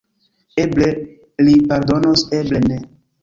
Eble li pardonos, eble ne.